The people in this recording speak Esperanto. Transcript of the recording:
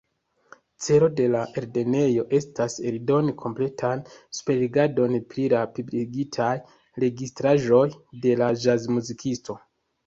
Celo de la eldonejo estas, eldoni kompletan superrigardon pri la publikigitaj registraĵoj de ĵazmuzikisto.